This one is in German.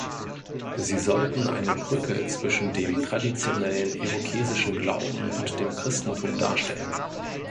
Sie sollten eine Brücke zwischen dem traditionellen irokesischen Glauben und dem Christentum darstellen.